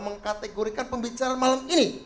mengkategorikan pembicaraan malam ini